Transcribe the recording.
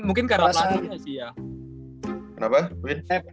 mungkin karena pelan pelan aja